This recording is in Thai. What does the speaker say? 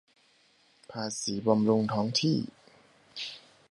ภาษีบำรุงท้องที่